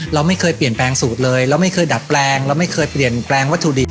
เราไม่เคยเปลี่ยนแปลงสูตรเลยเราไม่เคยดัดแปลงเราไม่เคยเปลี่ยนแปลงวัตถุดิบ